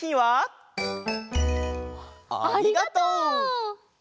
ありがとう！